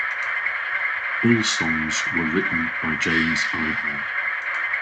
All songs were written by James Iha.